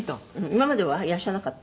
「今まではいらっしゃらなかった？」